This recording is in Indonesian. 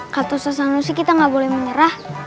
katusah sanusi kita gak boleh menyerah